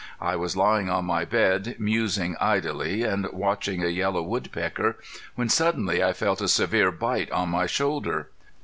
I was lying on my bed musing idly and watching a yellow woodpecker when suddenly I felt a severe bite on my shoulder.